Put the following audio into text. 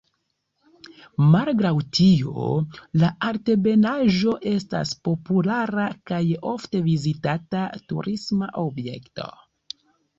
Malgraŭ tio la altebenaĵo estas populara kaj ofte vizitata turisma objekto.